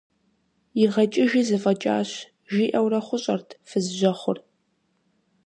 ИгъэкӀыжи зэфӀэкӀащ, – жиӀэурэ хъущӀэрт фыз жьэхъур.